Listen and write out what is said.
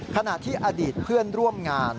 ขณะที่อดีตเพื่อนร่วมงาน